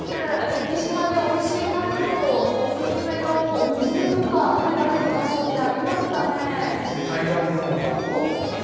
沖島でおいしい食べ物、お勧めのお店とか、食べられる場所ってありますかね。